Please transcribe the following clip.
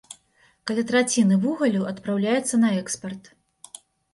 Каля траціны вугалю адпраўляецца на экспарт.